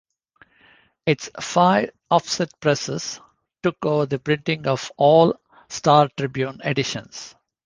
Its five offset presses took over the printing of all "Star Tribune" editions.